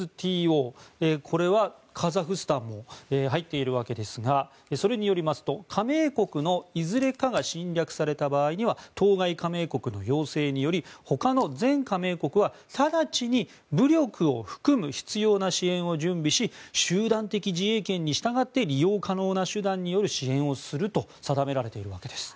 これはカザフスタンも入っているわけですがそれによりますと加盟国のいずれかが侵略された場合には当該加盟国の要請によりほかの全加盟国は直ちに武力を含む必要な支援を準備し集団的自衛権に従って利用可能な手段による支援をすると定められているわけです。